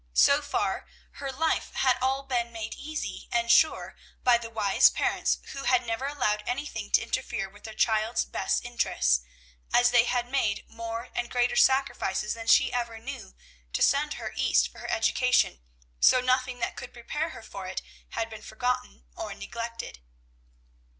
So far, her life had all been made easy and sure by the wise parents who had never allowed anything to interfere with their child's best interests; as they had made more and greater sacrifices than she ever knew, to send her East for her education, so nothing that could prepare her for it had been forgotten or neglected.